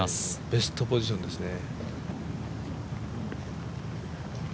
ベストポジションですね。